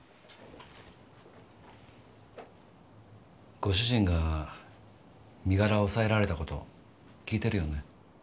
ご主人が身柄を押さえられた事聞いてるよね？